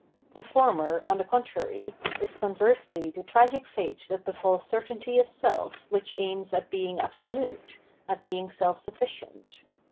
The former, on the con trary, is conversely the tragic fate that befalls certainty of self which aims at being absolute, at being self sufficient.